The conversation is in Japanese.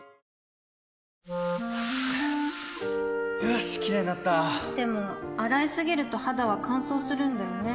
よしキレイになったでも、洗いすぎると肌は乾燥するんだよね